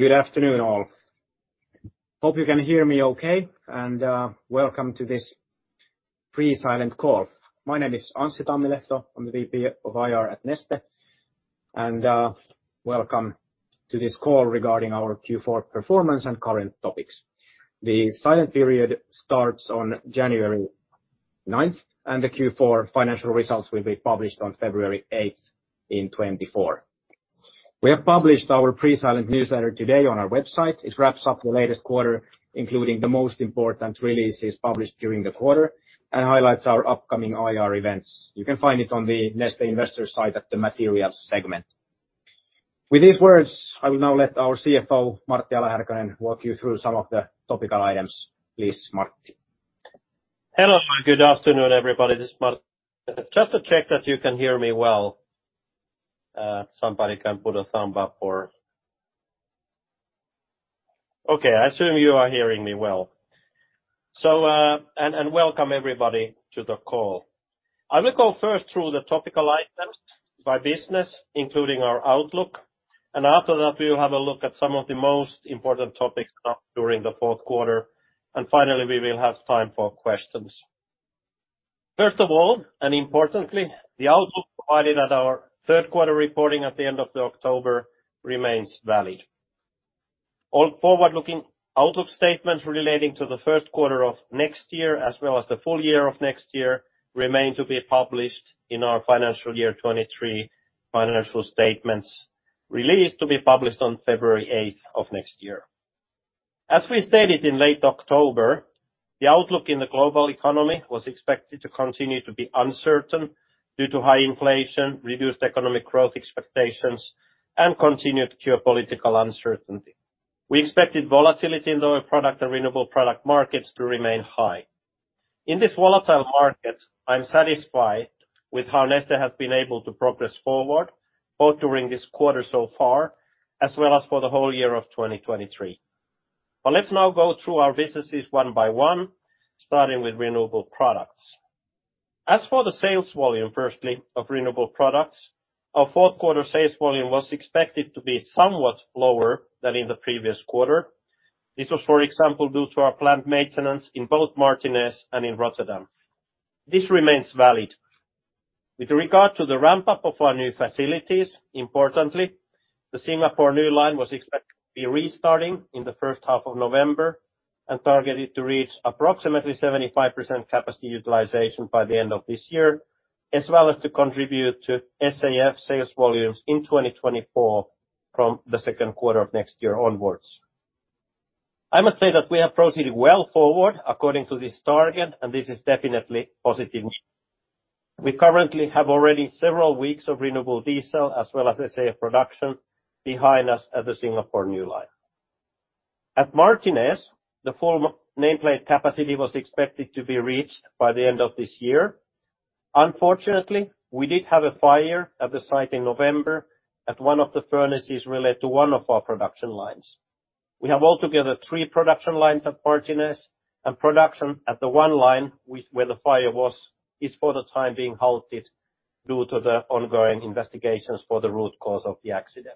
Good afternoon, all. Hope you can hear me okay, and welcome to this pre-silent call. My name is Anssi Tammilehto, I'm the VP of IR at Neste. And welcome to this call regarding our Q4 performance and current topics. The silent period starts on January 9th, and the Q4 financial results will be published on February 8th, 2024. We have published our pre-silent newsletter today on our website. It wraps up the latest quarter, including the most important releases published during the quarter, and highlights our upcoming IR events. You can find it on the Neste investor site at the materials segment. With these words, I will now let our CFO, Martti Ala-Härkönen, walk you through some of the topical items. Please, Martti. Hello, and good afternoon, everybody. This is Martti. Just to check that you can hear me well, somebody can put a thumb up or—Okay, I assume you are hearing me well. So, and, and welcome everybody to the call. I will go first through the topical items by business, including our outlook, and after that, we will have a look at some of the most important topics up during the fourth quarter, and finally, we will have time for questions. First of all, and importantly, the outlook provided at our third quarter reporting at the end of the October, remains valid. All forward-looking outlook statements relating to the first quarter of next year, as well as the full year of next year, remain to be published in our financial year 2023 financial statements, released to be published on February 8th of next year. As we stated in late October, the outlook in the global economy was expected to continue to be uncertain due to high inflation, reduced economic growth expectations, and continued geopolitical uncertainty. We expected volatility in the Oil Product and Renewable Product markets to remain high. In this volatile market, I'm satisfied with how Neste has been able to progress forward, both during this quarter so far, as well as for the whole year of 2023. But let's now go through our businesses one by one, starting with Renewable Products. As for the sales volume, firstly, of Renewable Products, our fourth quarter sales volume was expected to be somewhat lower than in the previous quarter. This was, for example, due to our plant maintenance in both Martinez and in Rotterdam. This remains valid. With regard to the ramp-up of our new facilities, importantly, the Singapore new line was expected to be restarting in the first half of November, and targeted to reach approximately 75% capacity utilization by the end of this year, as well as to contribute to SAF sales volumes in 2024, from the second quarter of next year onwards. I must say that we have proceeded well forward according to this target, and this is definitely positive news. We currently have already several weeks of Renewable Diesel, as well as SAF production, behind us at the Singapore new line. At Martinez, the full nameplate capacity was expected to be reached by the end of this year. Unfortunately, we did have a fire at the site in November, at one of the furnaces related to one of our production lines. We have altogether three production lines at Martinez, and production at the one line, which, where the fire was, is for the time being halted due to the ongoing investigations for the root cause of the accident.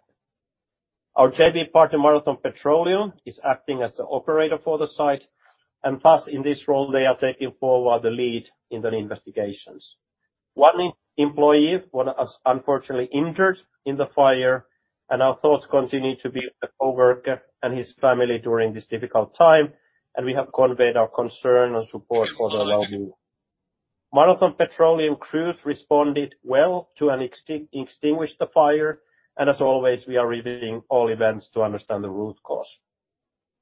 Our JV partner, Marathon Petroleum, is acting as the operator for the site, and thus, in this role, they are taking forward the lead in the investigations. One employee was unfortunately injured in the fire, and our thoughts continue to be with the coworker and his family during this difficult time, and we have conveyed our concern and support for them. Marathon Petroleum crews responded well to and extinguished the fire, and as always, we are reviewing all events to understand the root cause.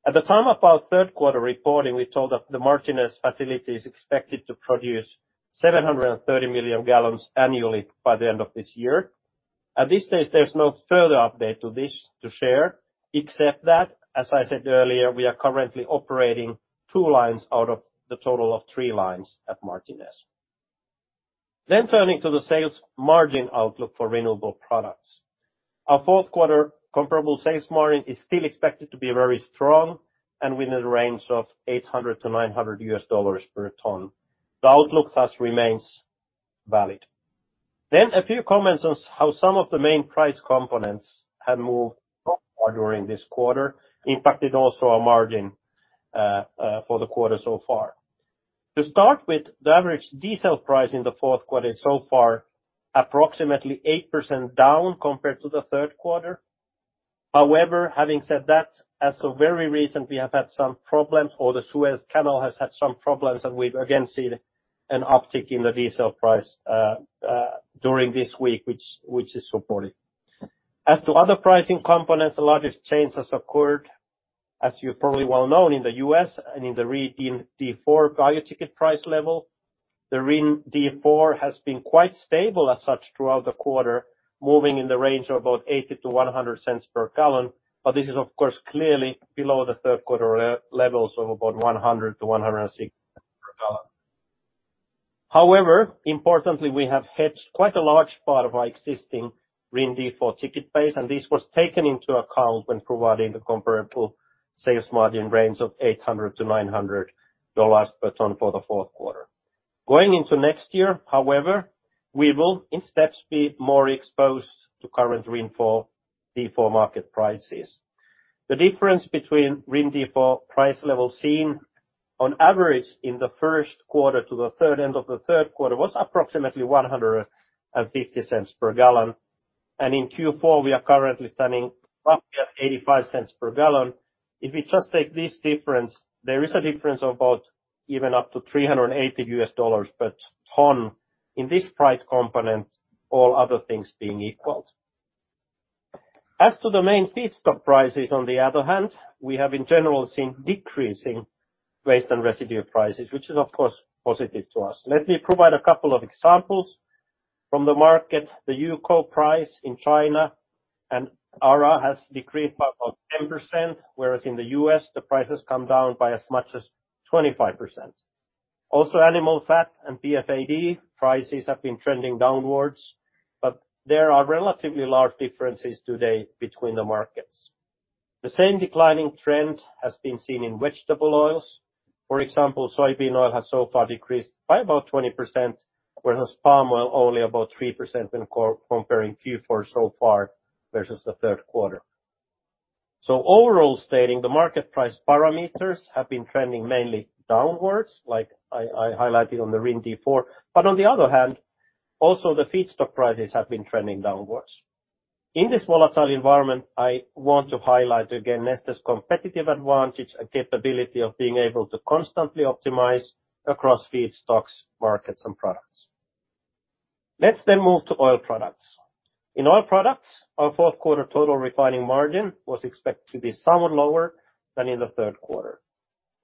At the time of our third quarter reporting, we told that the Martinez facility is expected to produce 730 million gallons annually by the end of this year. At this stage, there's no further update to this to share, except that, as I said earlier, we are currently operating 2 lines out of the total of 3 lines at Martinez. Then turning to the sales margin outlook for Renewable Products. Our fourth quarter comparable sales margin is still expected to be very strong and within a range of $800-$900 per ton. The outlook thus remains valid. Then a few comments on how some of the main price components have moved forward during this quarter, impacted also our margin, for the quarter so far. To start with, the average diesel price in the fourth quarter is so far approximately 8% down compared to the third quarter. However, having said that, as of very recent, we have had some problems, or the Suez Canal has had some problems, and we've again seen an uptick in the diesel price during this week, which is supported. As to other pricing components, a lot of change has occurred, as you're probably well known in the U.S. and in the D4 RIN value ticket price level. The D4 RIN has been quite stable as such throughout the quarter, moving in the range of about $0.80-$1.00 per gallon, but this is, of course, clearly below the third quarter levels of about $1.00-$1.06 per gallon. However, importantly, we have hedged quite a large part of our existing D4 RIN ticket base, and this was taken into account when providing the comparable sales margin range of $800-$900 per ton for the fourth quarter. Going into next year, however, we will in steps be more exposed to current D4 RIN market prices. The difference between D4 RIN price level seen on average in the first quarter to the end of the third quarter was approximately $1.50 per gallon, and in Q4, we are currently standing roughly at $0.85 per gallon. If we just take this difference, there is a difference of about even up to $380 per ton in this price component, all other things being equal. As to the main feedstock prices, on the other hand, we have in general seen decreasing waste and residue prices, which is, of course, positive to us. Let me provide a couple of examples from the market. The UCO price in China and ARA has decreased by about 10%, whereas in the U.S., the price has come down by as much as 25%. Also, animal fat and PFAD prices have been trending downwards, but there are relatively large differences today between the markets. The same declining trend has been seen in vegetable oils. For example, soybean oil has so far decreased by about 20%, whereas palm oil only about 3% when comparing Q4 so far versus the third quarter. So overall, stating the market price parameters have been trending mainly downwards, like I highlighted on the D4 RIN. But on the other hand, also the feedstock prices have been trending downwards. In this volatile environment, I want to highlight again, Neste's competitive advantage and capability of being able to constantly optimize across feedstocks, markets, and products. Let's then move to Oil Products. In Oil Products, our fourth quarter total refining margin was expected to be somewhat lower than in the third quarter.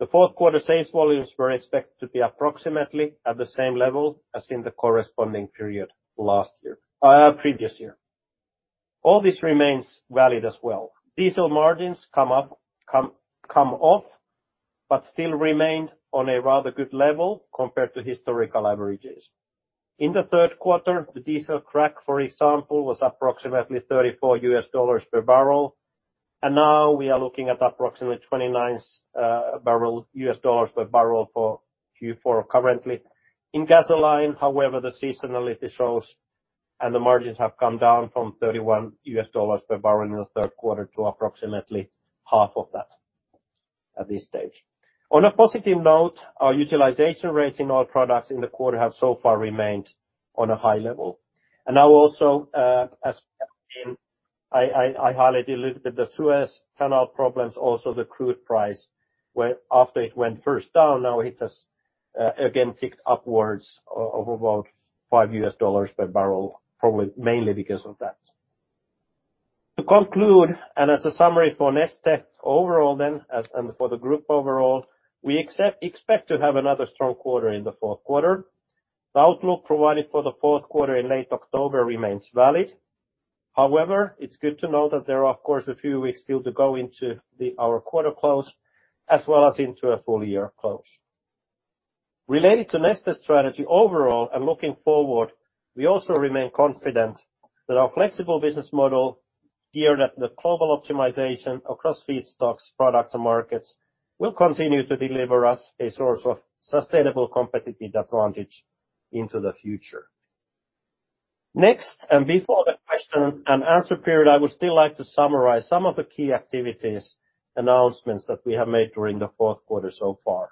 The fourth quarter sales volumes were expected to be approximately at the same level as in the corresponding period last year, previous year. All this remains valid as well. Diesel margins come off, but still remained on a rather good level compared to historical averages. In the third quarter, the diesel crack, for example, was approximately $34 per barrel, and now we are looking at approximately $29 per barrel for Q4 currently. In gasoline, however, the seasonality shows and the margins have come down from $31 per barrel in the third quarter to approximately half of that at this stage. On a positive note, our utilization rates in oil products in the quarter have so far remained on a high level. And now also, as I highlighted a little bit, the Suez Canal problems, also the crude price, where after it went first down, now it has again ticked upwards of about $5 per barrel, probably mainly because of that. To conclude, and as a summary for Neste, overall then, as and for the group overall, we expect to have another strong quarter in the fourth quarter. The outlook provided for the fourth quarter in late October remains valid. However, it's good to know that there are, of course, a few weeks still to go into our quarter close, as well as into a full year close. Related to Neste strategy overall and looking forward, we also remain confident that our flexible business model, geared at the global optimization across feedstocks, products, and markets, will continue to deliver us a source of sustainable competitive advantage into the future. Next, and before the question and answer period, I would still like to summarize some of the key activities, announcements that we have made during the fourth quarter so far.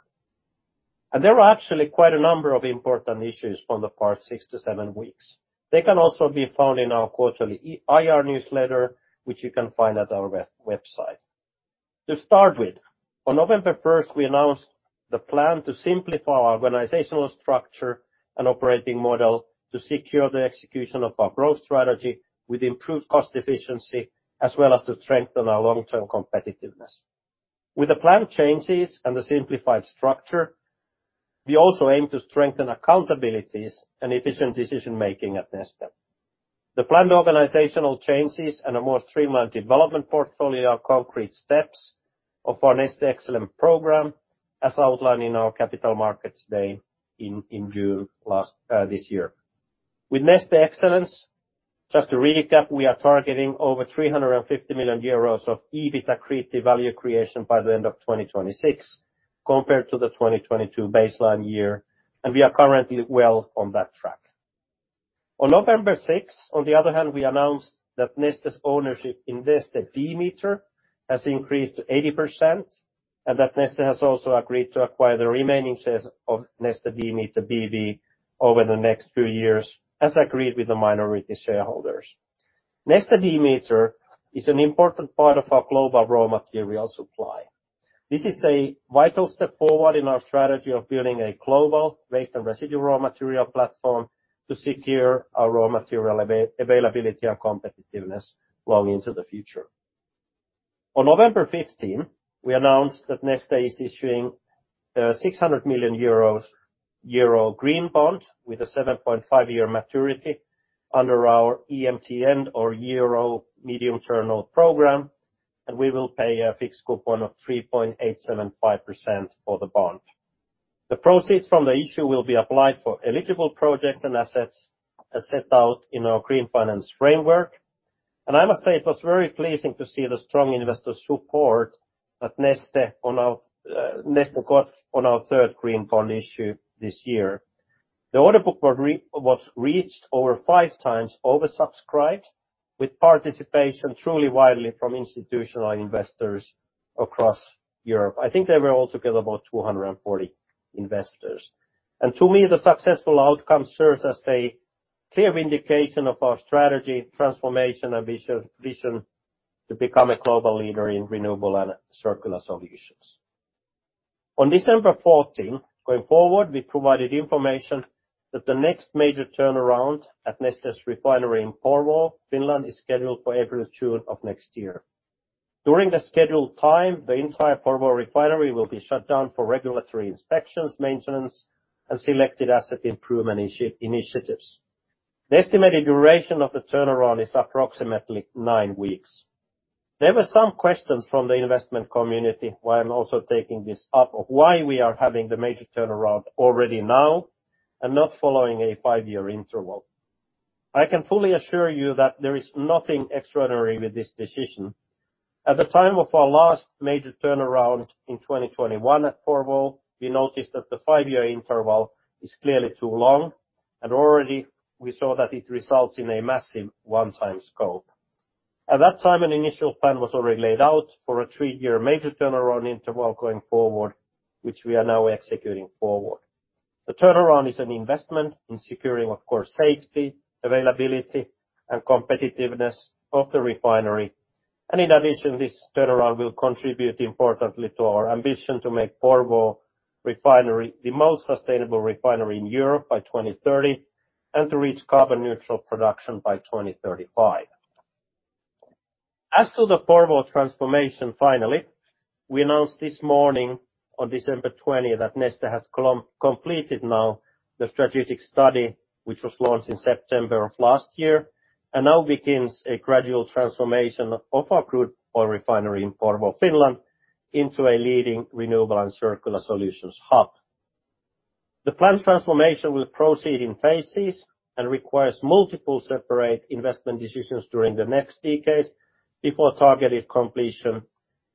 And there are actually quite a number of important issues from the past 6 weeks-7 weeks. They can also be found in our quarterly IR newsletter, which you can find at our website. To start with, on November first, we announced the plan to simplify our organizational structure and operating model to secure the execution of our growth strategy with improved cost efficiency, as well as to strengthen our long-term competitiveness. With the planned changes and the simplified structure, we also aim to strengthen accountabilities and efficient decision-making at Neste. The planned organizational changes and a more streamlined development portfolio are concrete steps of our Neste Excellence program, as outlined in our Capital Markets Day in June last this year. With Neste Excellence, just to recap, we are targeting over 350 million euros of EBITDA accretive value creation by the end of 2026, compared to the 2022 baseline year, and we are currently well on that track. On November 6th, on the other hand, we announced that Neste's ownership in Neste Demeter has increased to 80%, and that Neste has also agreed to acquire the remaining shares of Neste Demeter BV over the next few years, as agreed with the minority shareholders. Neste Demeter is an important part of our global raw material supply. This is a vital step forward in our strategy of building a global waste and residue raw material platform to secure our raw material availability and competitiveness long into the future. On November 15th, we announced that Neste is issuing 600 million euros green bond with a 7.5-year maturity under our EMTN, or Euro Medium Term Program, and we will pay a fixed coupon of 3.875% for the bond. The proceeds from the issue will be applied for eligible projects and assets, as set out in our green finance framework. I must say it was very pleasing to see the strong investor support that Neste got on our third green bond issue this year. The order book was reached over five times oversubscribed, with participation truly widely from institutional investors across Europe. I think there were altogether about 240 investors. To me, the successful outcome serves as a clear indication of our strategy, transformation, and vision to become a global leader in renewable and circular solutions. On December fourteenth, going forward, we provided information that the next major turnaround at Neste's refinery in Porvoo, Finland, is scheduled for April-June of next year. During the scheduled time, the entire Porvoo refinery will be shut down for regulatory inspections, maintenance, and selected asset improvement initiatives. The estimated duration of the turnaround is approximately nine weeks. There were some questions from the investment community, why I'm also taking this up, of why we are having the major turnaround already now and not following a 5-year interval. I can fully assure you that there is nothing extraordinary with this decision. At the time of our last major turnaround in 2021 at Porvoo, we noticed that the 5-year interval is clearly too long, and already we saw that it results in a massive one-time scope. At that time, an initial plan was already laid out for a 3-year major turnaround interval going forward, which we are now executing forward. The turnaround is an investment in securing, of course, safety, availability, and competitiveness of the refinery. In addition, this turnaround will contribute importantly to our ambition to make Porvoo refinery the most sustainable refinery in Europe by 2030, and to reach carbon neutral production by 2035. As to the Porvoo transformation, finally, we announced this morning on December 20, that Neste has completed now the strategic study, which was launched in September of last year, and now begins a gradual transformation of our crude oil refinery in Porvoo, Finland, into a leading renewable and circular solutions hub. The planned transformation will proceed in phases and requires multiple separate investment decisions during the next decade, before targeted completion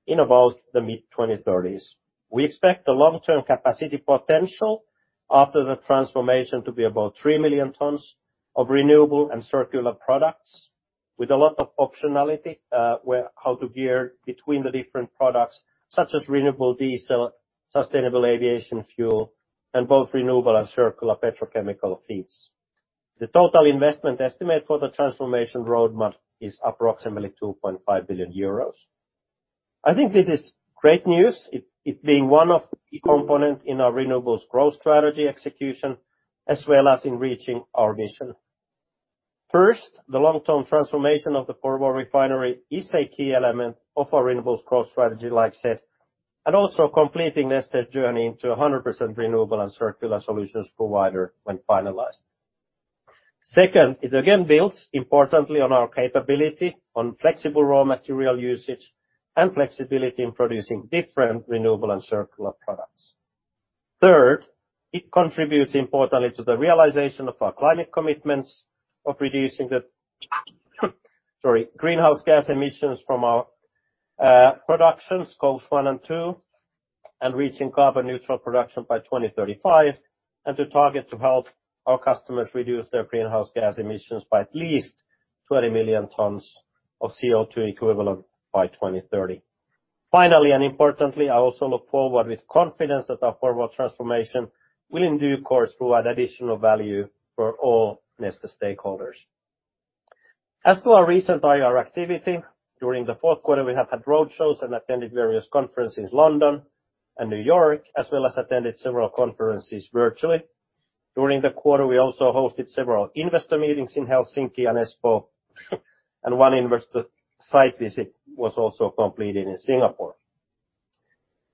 in about the mid-2030s. We expect the long-term capacity potential after the transformation to be about 3 million tons of renewable and circular products, with a lot of optionality, where, how to gear between the different products, such as Renewable Diesel, Sustainable Aviation Fuel, and both Renewable and Circular Petrochemical Feeds. The total investment estimate for the transformation roadmap is approximately 2.5 billion euros. I think this is great news. It, it being one of the key component in our renewables growth strategy execution, as well as in reaching our mission. First, the long-term transformation of the Porvoo refinery is a key element of our renewables growth strategy, like I said, and also completing Neste's journey into a 100% renewable and circular solutions provider when finalized. Second, it again, builds importantly on our capability on flexible raw material usage and flexibility in producing different renewable and circular products. Third, it contributes importantly to the realization of our climate commitments of reducing the, sorry, greenhouse gas emissions from our productions, Scopes 1 and 2, and reaching carbon neutral production by 2035, and to target to help our customers reduce their greenhouse gas emissions by at least 20 million tons of CO2 equivalent by 2030. Finally, and importantly, I also look forward with confidence that our forward transformation will in due course provide additional value for all Neste stakeholders. As to our recent IR activity, during the fourth quarter, we have had roadshows and attended various conferences in London and New York, as well as attended several conferences virtually. During the quarter, we also hosted several investor meetings in Helsinki and Espoo, and one investor site visit was also completed in Singapore.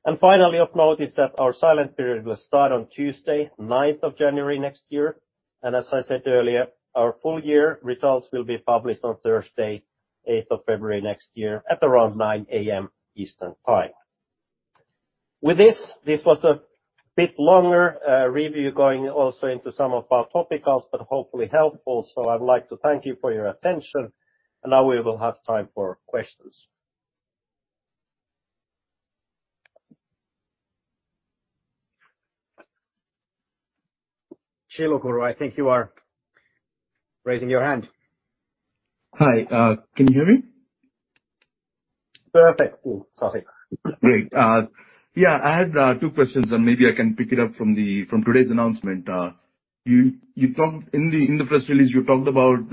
And finally, of note is that our silent period will start on Tuesday, 9th of January next year, and as I said earlier, our full year results will be published on Thursday, 8th of February next year, at around 9 A.M. Eastern Time. With this, this was a bit longer review, going also into some of our topicals, but hopefully helpful. So I'd like to thank you for your attention, and now we will have time for questions. Chilukuru, I think you are raising your hand. Hi, can you hear me? Perfect, cool. Sorry. Great, yeah, I had two questions, and maybe I can pick it up from today's announcement. You talked in the press release; you talked about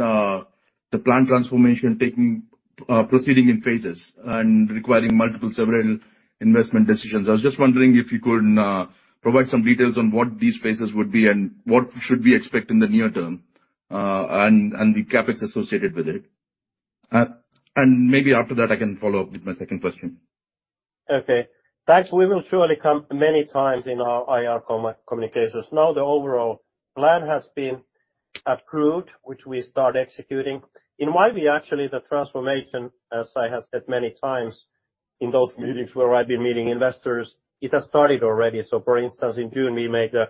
the plant transformation proceeding in phases and requiring multiple, several investment decisions. I was just wondering if you could provide some details on what these phases would be, and what should we expect in the near term, and the CapEx associated with it. And maybe after that, I can follow up with my second question. Okay. Thanks. We will surely come many times in our IR communications. Now, the overall plan has been approved, which we start executing. In my view, actually, the transformation, as I have said many times in those meetings where I've been meeting investors, it has started already. So for instance, in June, we made an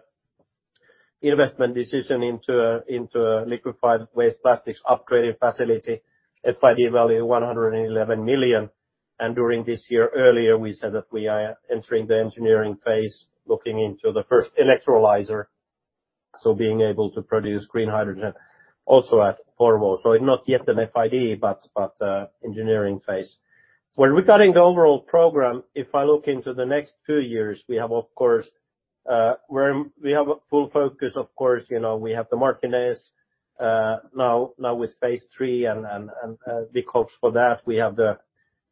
investment decision into a liquefied waste plastics upgrading facility, FID value 111 million. And during this year, earlier, we said that we are entering the engineering phase, looking into the first electrolyzer, so being able to produce green hydrogen also at Porvoo. So it's not yet an FID, but engineering phase. When regarding the overall program, if I look into the next two years, we have, of course, we have a full focus, of course, you know, we have the Martinez, now with phase three, and big hopes for that. We have the,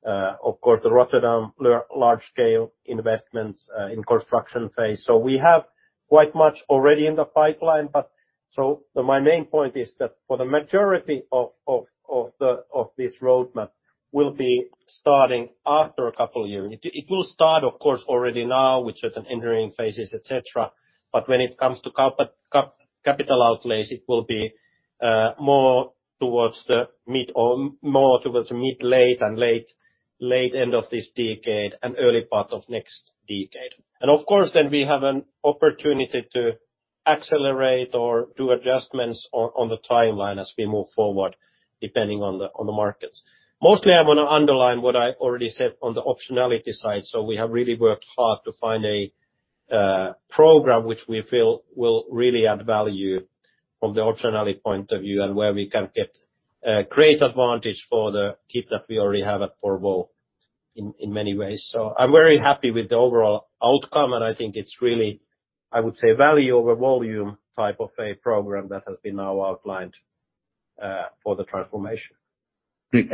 of course, the Rotterdam large-scale investments, in construction phase. So we have quite much already in the pipeline, but so my main point is that for the majority of this roadmap will be starting after a couple of years. It will start, of course, already now with certain engineering phases, et cetera, but when it comes to capital outlays, it will be more towards the mid to late end of this decade and early part of next decade. Of course, then we have an opportunity to accelerate or do adjustments on the timeline as we move forward, depending on the markets. Mostly, I want to underline what I already said on the optionality side. So we have really worked hard to find a program which we feel will really add value from the optionality point of view, and where we can get great advantage for the kit that we already have at Porvoo in many ways. So I'm very happy with the overall outcome, and I think it's really, I would say, value over volume type of a program that has been now outlined for the transformation. Great.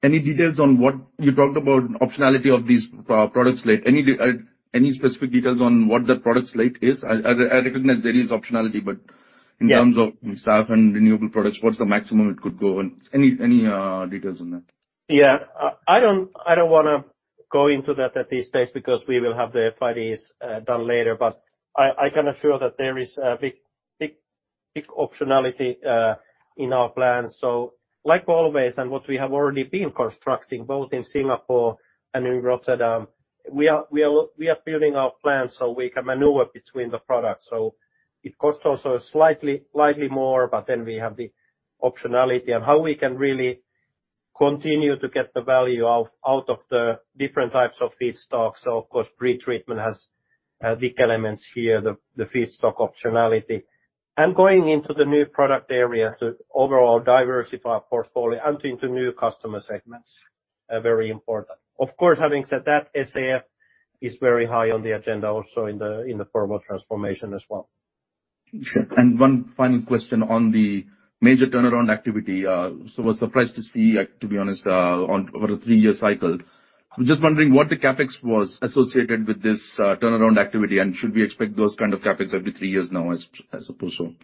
Any details on what you talked about, optionality of these products lately? Any specific details on what that product slate is? I recognize there is optionality, but- Yeah... in terms of staff and Renewable Products, what's the maximum it could go, and any details on that? Yeah. I don't wanna go into that at this stage, because we will have the FIDs done later. But I can assure that there is a big, big, big optionality in our plans. So like always, and what we have already been constructing, both in Singapore and in Rotterdam, we are building our plans so we can maneuver between the products. So it costs also slightly, slightly more, but then we have the optionality and how we can really continue to get the value out of the different types of feedstocks. So of course, pretreatment has big elements here, the feedstock optionality. And going into the new product areas to overall diversify our portfolio and into new customer segments are very important. Of course, having said that, SAF is very high on the agenda also in the formal transformation as well. Sure. One final question on the major turnaround activity. So was surprised to see, to be honest, on over a three-year cycle. I'm just wondering what the CapEx was associated with this turnaround activity, and should we expect those kind of CapEx every three years now? I suppose so?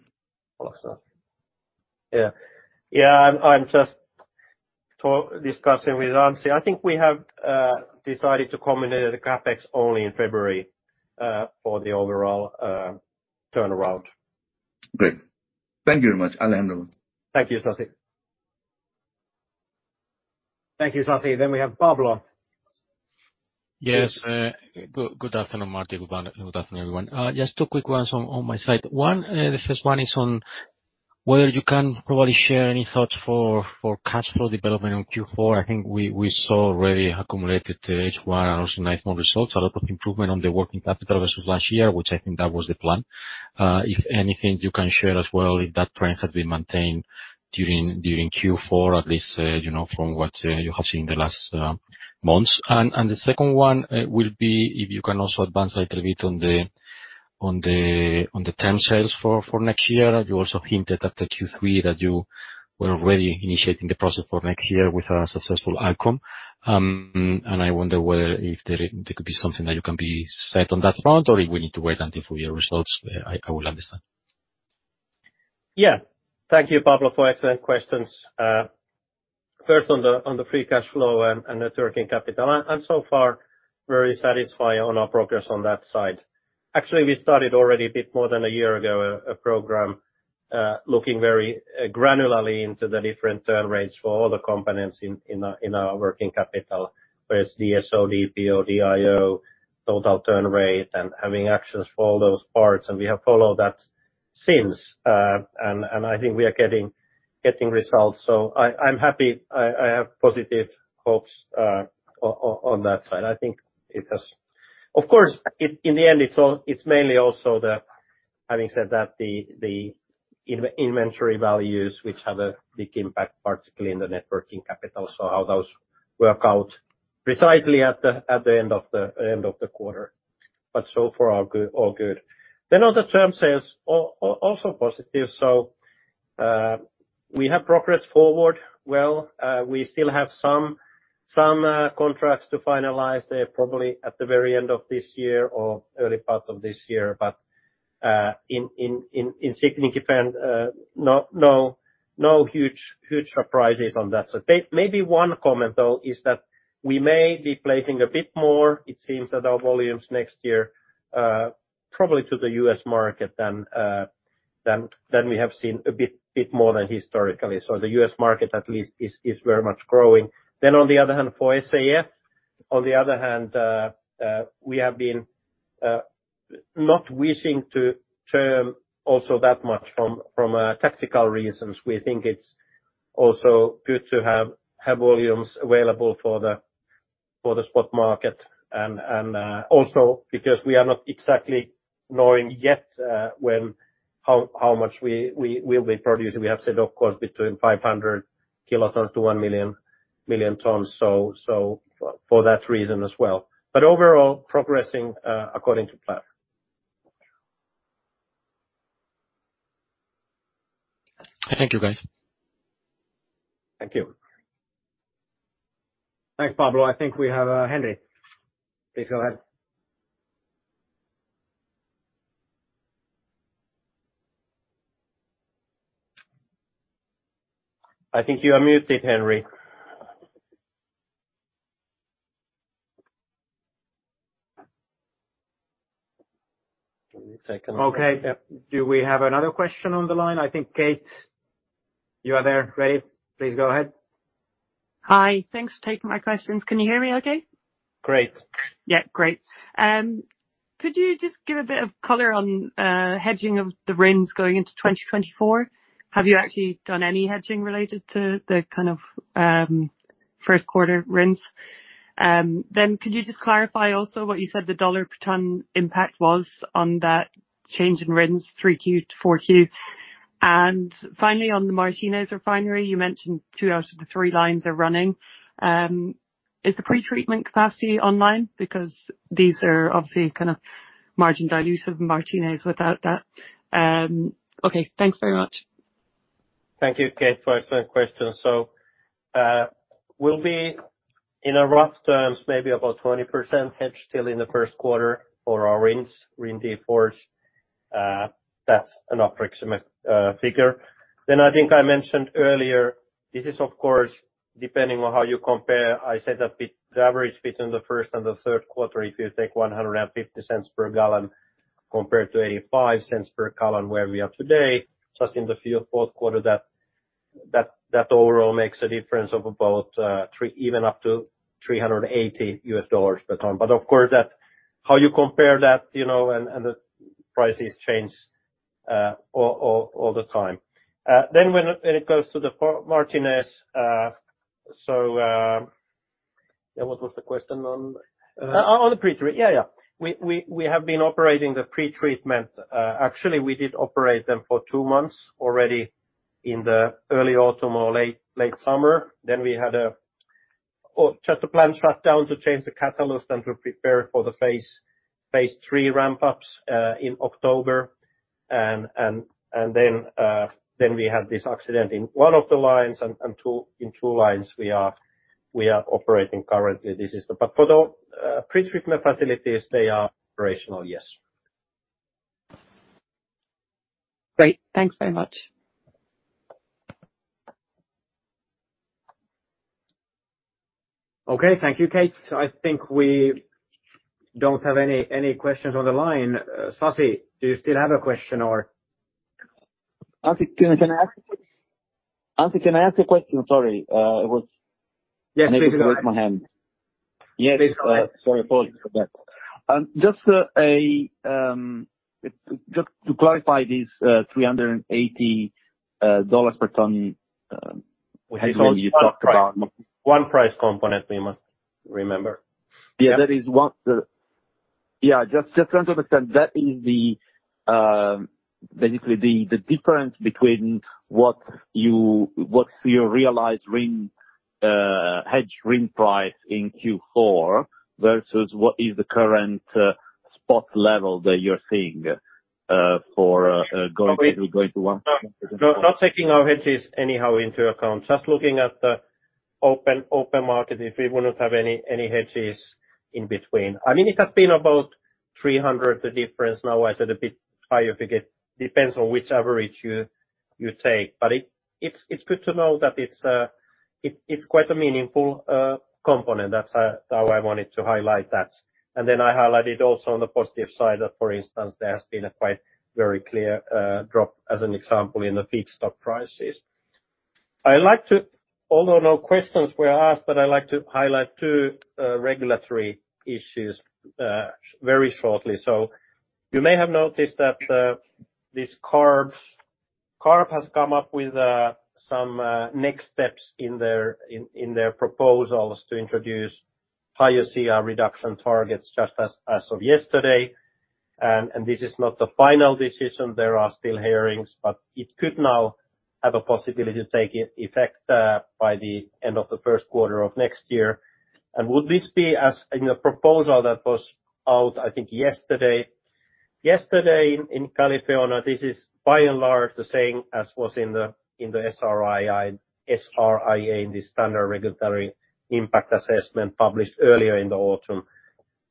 Yeah. Yeah, I'm just discussing with Ramzi. I think we have decided to communicate the CapEx only in February for the overall turnaround. Great. Thank you very much. I'll end the call. Thank you, Sasi. Thank you, Sasi. Then we have Pablo. Yes, good afternoon, Martti. Good afternoon, everyone. Just two quick ones on my side. One, the first one is on whether you can probably share any thoughts for cash flow development in Q4. I think we saw already accumulated H1 and also nine months results, a lot of improvement on the working capital versus last year, which I think that was the plan. If anything, you can share as well, if that trend has been maintained during Q4, at least, you know, from what you have seen in the last months. And the second one will be if you can also advance a little bit on the term sales for next year. You also hinted at the Q3 that you were already initiating the process for next year with a successful outcome. And I wonder whether if there could be something that you can be set on that front, or if we need to wait until full year results. I will understand. Yeah. Thank you, Pablo, for excellent questions. First on the free cash flow and net working capital, and so far, very satisfied on our progress on that side. Actually, we started already a bit more than a year ago, a program looking very granularly into the different turn rates for all the components in our working capital, whereas DSO, DPO, DIO, total turn rate, and having actions for all those parts, and we have followed that since. And I think we are getting results. So I'm happy. I have positive hopes on that side. I think it has. Of course, in the end, it's all—it's mainly also the... Having said that, the inventory values, which have a big impact, particularly in the net working capital, so how those work out precisely at the end of the quarter, but so far, all good, all good. Then on the term sales, also positive. So, we have progressed forward well. We still have some contracts to finalize. They're probably at the very end of this year or early part of this year, but insignificant, no huge surprises on that. So maybe one comment, though, is that we may be placing a bit more, it seems, that our volumes next year, probably to the U.S. market than we have seen a bit more than historically. So the U.S. market, at least, is very much growing. Then on the other hand, for SAF, on the other hand, we have been not wishing to term also that much from tactical reasons. We think it's also good to have volumes available for the spot market, and also because we are not exactly knowing yet when, how much we we'll be producing. We have said, of course, between 500 kilotons to 1 million tons, so for that reason as well. But overall, progressing according to plan. Thank you, guys. Thank you. Thanks, Pablo. I think we have, Henri. Please go ahead. I think you are muted, Henri. Give me a second. Okay. Do we have another question on the line? I think, Kate, you are there, ready? Please go ahead. Hi, thanks for taking my questions. Can you hear me okay? Great. Yeah, great. Could you just give a bit of color on, hedging of the RINs going into 2024? Have you actually done any hedging related to the kind of, first quarter RINs? Then could you just clarify also what you said the $ per ton impact was on that change in RINs, 3Q to 4Q? And finally, on the Martinez Refinery, you mentioned 2 out of the 3 lines are running. Is the pretreatment capacity online? Because these are obviously kind of margin dilutive in Martinez without that. Okay, thanks very much. Thank you, Kate, for excellent questions. So, we'll be, in rough terms, maybe about 20% hedged still in the first quarter for our RINs, D4 RIN. That's an approximate figure. Then I think I mentioned earlier, this is, of course, depending on how you compare, I said that the average between the first and the third quarter, if you take $1.50 per gallon compared to $0.85 per gallon, where we are today, just in the fourth quarter, that overall makes a difference of about $300, even up to $380 per ton. But of course, that's how you compare that, you know, and the prices change all the time. Then when it goes to the Martinez, so, yeah, what was the question on? On the pretreatment. Yeah, yeah. We have been operating the pretreatment. Actually, we did operate them for two months already in the early autumn or late summer. Then we had just a plant shut down to change the catalyst and to prepare for the phase three ramp-ups in October. And then we had this accident in one of the lines, and in two lines we are operating currently. This is but for the pretreatment facilities, they are operational, yes. Great. Thanks very much. Okay. Thank you, Kate. I think we don't have any questions on the line. Sasi, do you still have a question, or? Anssi, can I ask a question? Sorry, it was- Yes, please go ahead. Maybe I raised my hand. Yes, please go ahead. Sorry about that. Just to clarify this, $380 per ton, which you talked about. One price component, we must remember. Yeah, that is one. Yeah, just to understand, that is basically the difference between what you realize RIN hedge RIN price in Q4 versus what is the current spot level that you're seeing for going- Not taking our hedges anyhow into account, just looking at the open market, if we would not have any hedges in between. I mean, it has been about 300, the difference. Now, I said a bit higher, because it depends on which average you take. But it's good to know that it's quite a meaningful component. That's how I wanted to highlight that. And then I highlighted also on the positive side, for instance, there has been a quite very clear drop, as an example, in the feedstock prices. I like to, although no questions were asked, but I like to highlight two regulatory issues very shortly. So you may have noticed that this CARB has come up with some next steps in their proposals to introduce higher CI reduction targets, just as of yesterday. And this is not the final decision, there are still hearings, but it could now have a possibility to take effect by the end of the first quarter of next year. And would this be, as in the proposal that was out, I think, yesterday in California, this is by and large the same as was in the SRIA, the Standardized Regulatory Impact Assessment, published earlier in the autumn.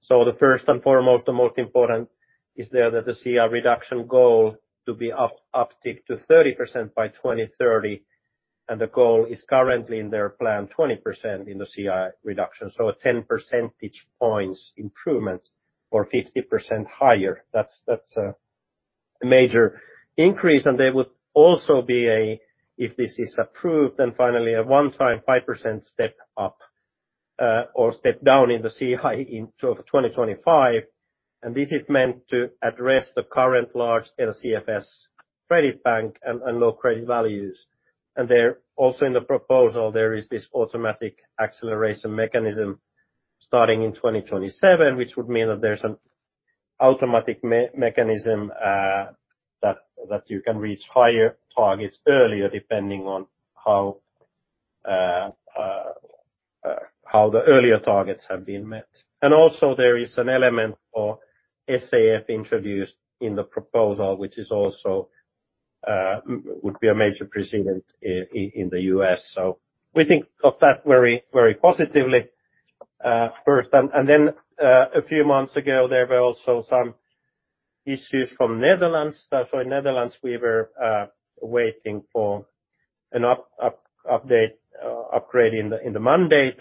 So the first and foremost, the most important, is that the CI reduction goal to be uptick to 30% by 2030... and the goal is currently in their plan, 20% in the CI reduction. So a 10 percentage points improvement or 50% higher, that's a major increase. There would also be, if this is approved, then finally a one-time 5% step up or step down in the CI of 2025, and this is meant to address the current large LCFS credit bank and low credit values. Also in the proposal, there is this automatic acceleration mechanism starting in 2027, which would mean that there's an automatic mechanism that you can reach higher targets earlier, depending on how the earlier targets have been met. Also there is an element of SAF introduced in the proposal, which would be a major precedent in the U.S. So we think of that very positively, first. A few months ago, there were also some issues from Netherlands. So in Netherlands, we were waiting for an upgrade in the mandate.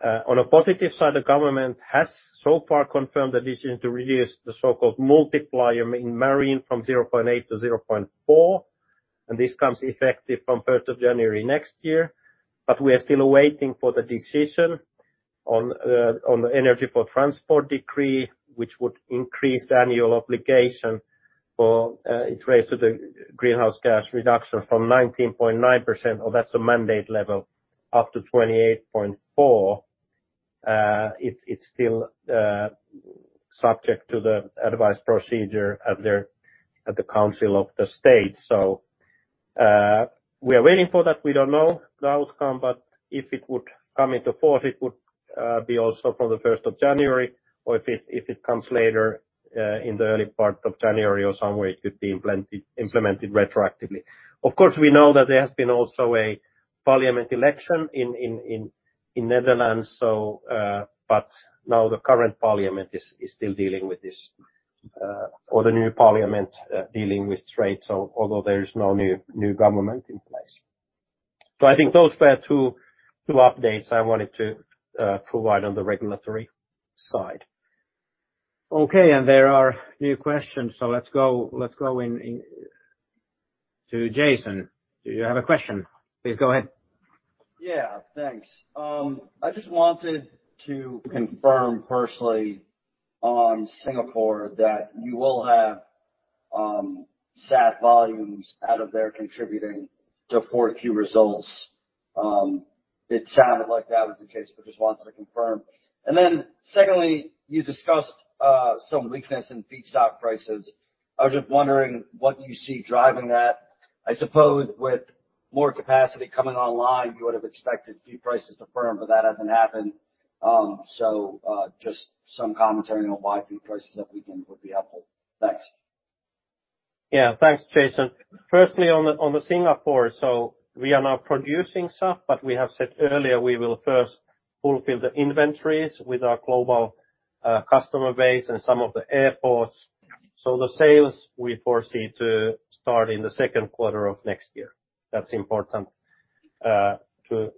On a positive side, the government has so far confirmed the decision to reduce the so-called multiplier in marine from 0.8 to 0.4, and this comes effective from January 1 next year. But we are still waiting for the decision on the Energy for Transport Decree, which would increase the annual obligation for it relates to the greenhouse gas reduction from 19.9% up to 28.4%. It's still subject to the advice procedure at the Council of State. We are waiting for that. We don't know the outcome, but if it would come into force, it would be also from the first of January, or if it comes later in the early part of January or somewhere, it could be implemented retroactively. Of course, we know that there has been also a parliament election in Netherlands, so but now the current parliament is still dealing with this, or the new parliament dealing with trade, so although there is no new government in place. So I think those were two updates I wanted to provide on the regulatory side. Okay, and there are new questions, so let's go into Jason. Do you have a question? Please, go ahead. Yeah, thanks. I just wanted to confirm firstly on Singapore that you will have SAF volumes out of there contributing to 4Q results. It sounded like that was the case, but just wanted to confirm. And then secondly, you discussed some weakness in feedstock prices. I was just wondering what you see driving that. I suppose with more capacity coming online, you would have expected feed prices to firm, but that hasn't happened. So, just some commentary on why feed prices that weakened would be helpful. Thanks. Yeah. Thanks, Jason. Firstly, on the Singapore, so we are now producing stuff, but we have said earlier, we will first fulfill the inventories with our global customer base and some of the airports. So the sales we foresee to start in the second quarter of next year. That's important to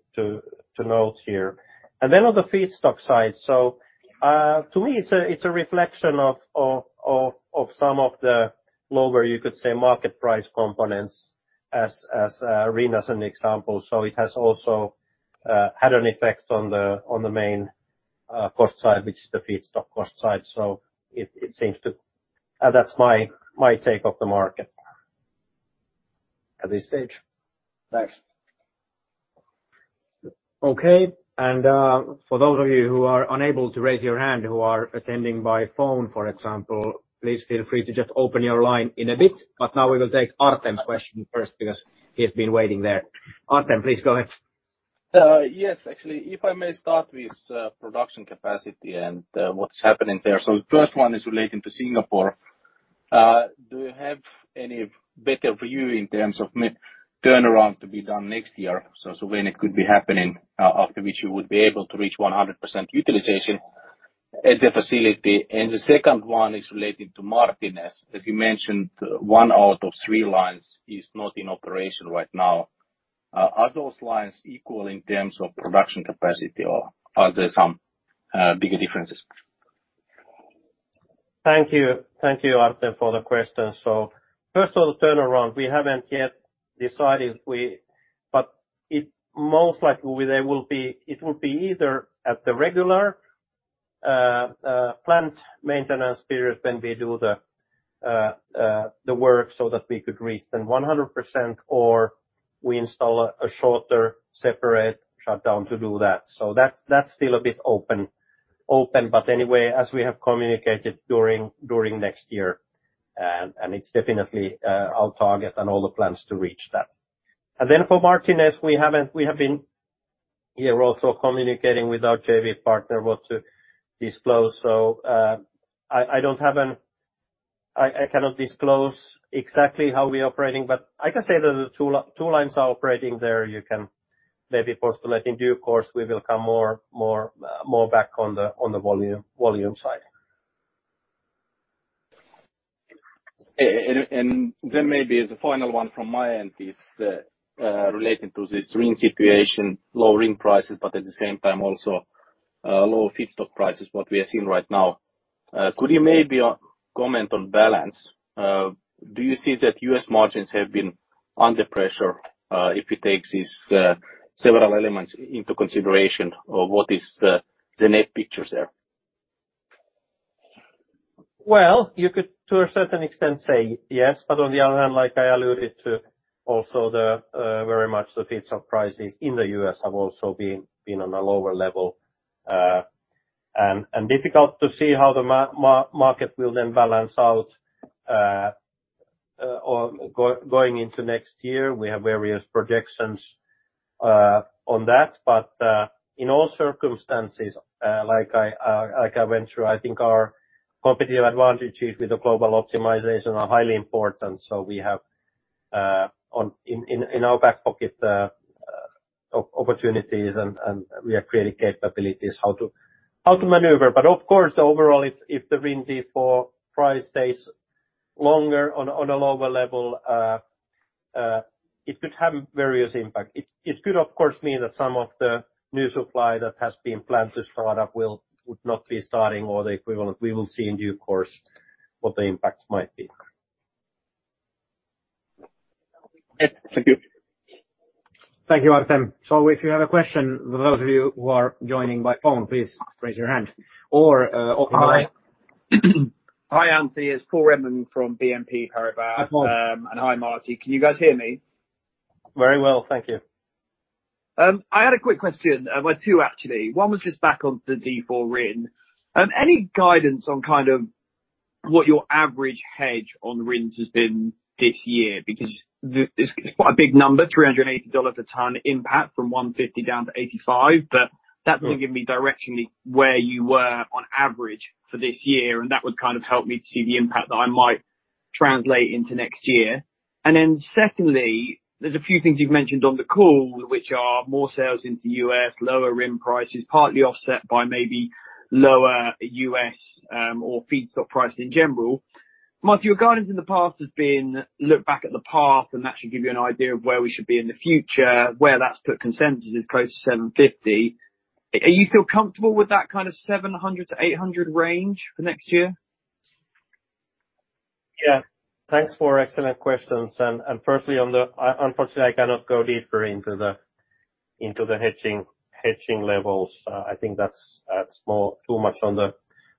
note here. And then on the feedstock side, so to me, it's a reflection of some of the lower, you could say, market price components as RINs as an example. So it has also had an effect on the main cost side, which is the feedstock cost side. So it seems to. That's my take of the market at this stage. Thanks. Okay. And, for those of you who are unable to raise your hand, who are attending by phone, for example, please feel free to just open your line in a bit. But now we will take Artem's question first, because he has been waiting there. Artem, please go ahead. Yes, actually, if I may start with production capacity and what's happening there. So the first one is relating to Singapore. Do you have any better view in terms of turnaround to be done next year? So, when it could be happening, after which you would be able to reach 100% utilization as a facility. And the second one is relating to Martinez. As you mentioned, one out of three lines is not in operation right now. Are those lines equal in terms of production capacity, or are there some bigger differences? Thank you. Thank you, Artem, for the question. So first of all, the turnaround, we haven't yet decided—but it most likely there will be—it will be either at the regular plant maintenance period when we do the work so that we could reach then 100%, or we install a shorter, separate shutdown to do that. So that's still a bit open, but anyway, as we have communicated during next year, and it's definitely our target and all the plans to reach that. And then for Martinez, we haven't—we have been here also communicating with our JV partner what to disclose. So, I don't have an—I cannot disclose exactly how we're operating, but I can say that the two lines are operating there. You can maybe possibly, I think, due course, we will come more back on the volume side. ... And then maybe as a final one from my end is relating to this RIN situation, low RIN prices, but at the same time, also low feedstock prices, what we are seeing right now. Could you maybe comment on balance? Do you see that U.S. margins have been under pressure, if you take these several elements into consideration, or what is the net picture there? Well, you could, to a certain extent, say yes, but on the other hand, like I alluded to, also very much the feedstock prices in the U.S. have also been on a lower level, and difficult to see how the market will then balance out, or going into next year. We have various projections on that, but in all circumstances, like I went through, I think our competitive advantages with the global optimization are highly important. So we have in our back pocket opportunities, and we are creating capabilities how to maneuver. But of course, the overall, if the D4 RIN price stays longer on a lower level, it could have various impact. It could, of course, mean that some of the new supply that has been planned to start up would not be starting or the equivalent. We will see in due course what the impacts might be. Thank you. Thank you, Artem. So if you have a question, for those of you who are joining by phone, please raise your hand or online. Hi, Anssi. It's Paul Redman from BNP Paribas- Hi, Paul. Hi, Martti. Can you guys hear me? Very well. Thank you. I had a quick question, well, two actually. One was just back on the D4 RIN. Any guidance on kind of what your average hedge on the RINs has been this year? Because it's, it's quite a big number, $380 a ton impact from $150 down to $85. But that doesn't give me directionally where you were on average for this year, and that would kind of help me to see the impact that I might translate into next year. And then secondly, there's a few things you've mentioned on the call, which are more sales into U.S., lower RIN prices, partly offset by maybe lower U.S., or feedstock price in general. Martti, your guidance in the past has been look back at the past, and that should give you an idea of where we should be in the future, where that's put consensus is close to 750. You feel comfortable with that kind of 700-800 range for next year? Yeah. Thanks for excellent questions. And firstly, on the, unfortunately, I cannot go deeper into the hedging levels. I think that's small, too much on the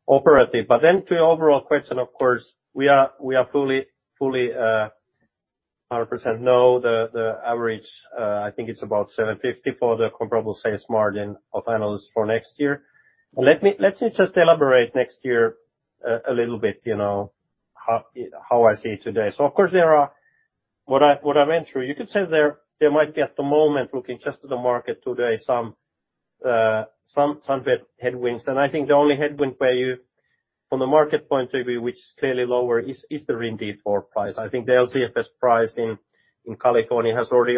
operative. But then to your overall question, of course, we are fully 100% know the average. I think it's about 750 for the comparable sales margin of analysts for next year. Let me just elaborate next year a little bit, you know, how I see it today. So of course, there are... What I went through, you could say there might be, at the moment, looking just at the market today, some headwinds. And I think the only headwind where you from the market point of view, which is clearly lower, is the D4 RIN price. I think the LCFS price in California has already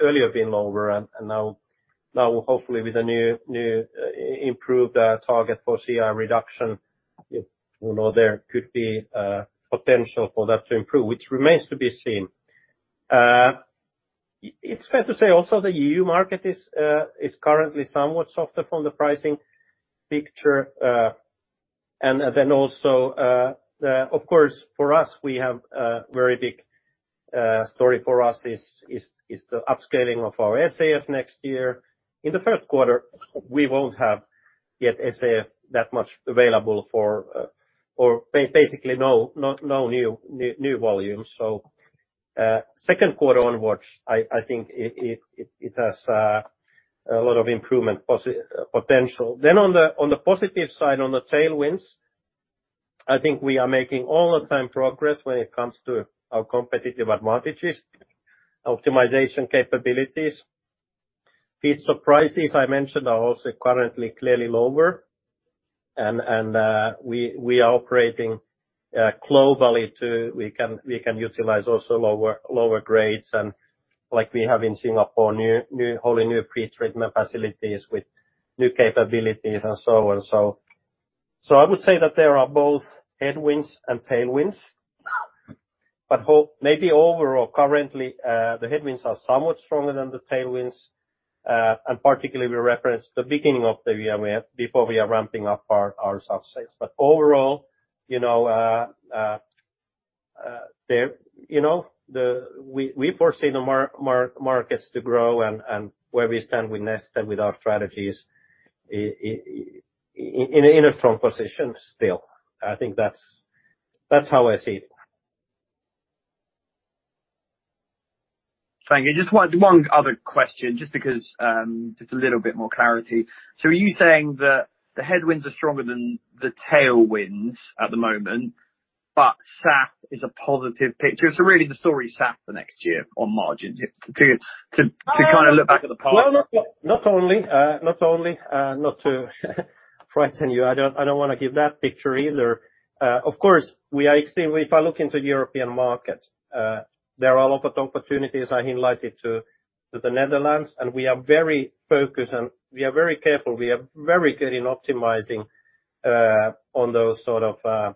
earlier been lower, and now, hopefully with a new improved target for CI reduction, you know, there could be potential for that to improve, which remains to be seen. It's fair to say also, the EU market is currently somewhat softer from the pricing picture, and then also, the. Of course, for us, we have a very big story for us is the upscaling of our SAF next year. In the first quarter, we won't have yet SAF that much available for... or basically, no new volumes. So, second quarter onwards, I think it has a lot of improvement potential. Then, on the positive side, on the tailwinds, I think we are making all the time progress when it comes to our competitive advantages, optimization capabilities. Feedstock prices, I mentioned, are also currently clearly lower, and we are operating globally too. We can utilize also lower grades, and like we have in Singapore, new wholly new pretreatment facilities with new capabilities and so on and so. So I would say that there are both headwinds and tailwinds, but maybe overall, currently, the headwinds are somewhat stronger than the tailwinds, and particularly, we reference the beginning of the year, where before we are ramping up our sales. But overall, you know, the... We foresee the markets to grow, and where we stand with Neste, with our strategies, in a strong position still. I think that's how I see it. Thank you. Just one other question, just because, just a little bit more clarity. So are you saying that the headwinds are stronger than the tailwinds at the moment, but SAF is a positive picture? So really, the story is SAF the next year on margins, it's to kind of look back at the past? Well, not only not to frighten you, I don't want to give that picture either. Of course, we are extremely. If I look into the European market, there are a lot of opportunities I highlighted to the Netherlands, and we are very focused and we are very careful. We are very good in optimizing on those sort of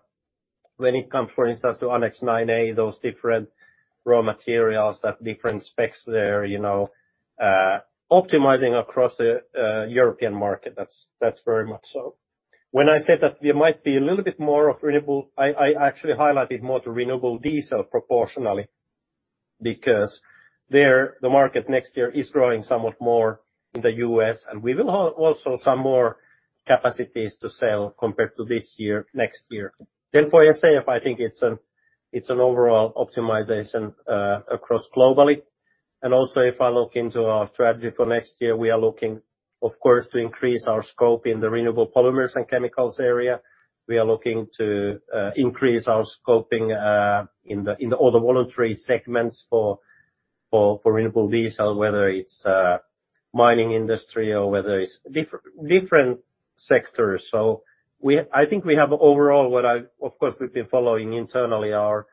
when it comes, for instance, to Annex IX, Part A, those different raw materials that different specs there, you know, optimizing across the European market. That's very much so. When I said that there might be a little bit more of renewable—I actually highlighted more to Renewable Diesel proportionally, because there, the market next year is growing somewhat more in the U.S., and we will have also some more capacities to sell compared to this year, next year. Then for SAF, I think it's an overall optimization across globally. And also, if I look into our strategy for next year, we are looking, of course, to increase our scope in the renewable polymers and chemicals area. We are looking to increase our scoping in all the voluntary segments for Renewable Diesel, whether it's mining industry or whether it's different sectors. So, I think we have overall what I, of course, we've been following internally our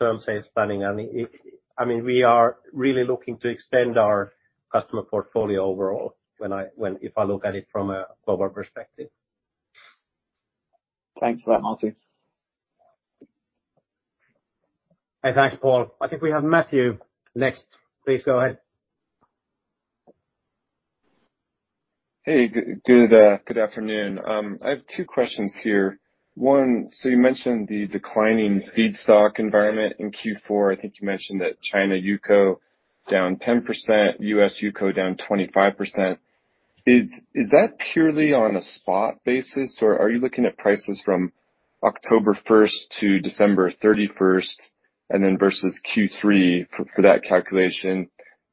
term sales planning, and it, I mean, we are really looking to extend our customer portfolio overall if I look at it from a global perspective. Thanks for that, Martti. Thanks, Paul. I think we have Matthew next. Please go ahead. Hey, good afternoon. I have two questions here. One, so you mentioned the declining feedstock environment in Q4. I think you mentioned that China UCO down 10%, U.S. UCO down 25%. Is that purely on a spot basis, or are you looking at prices from October 1 to December 31, and then versus Q3 for that calculation?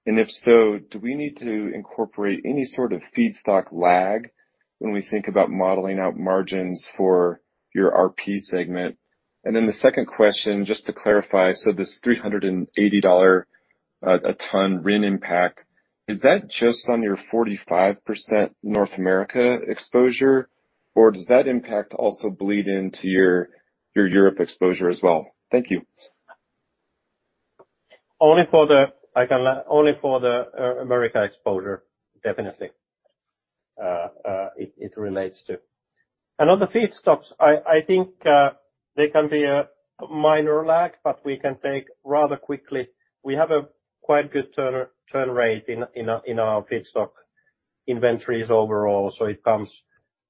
And if so, do we need to incorporate any sort of feedstock lag when we think about modeling out margins for your RP segment? And then the second question, just to clarify, so this $380 a ton RIN impact, is that just on your 45% North America exposure, or does that impact also bleed into your Europe exposure as well? Thank you. Only for the America exposure, definitely, it relates to. And on the feedstocks, I think there can be a minor lag, but we can take rather quickly. We have a quite good turnover rate in our feedstock inventories overall, so it comes